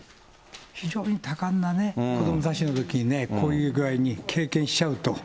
非常に多感な子どもたちに、こういう具合に経験しちゃうと。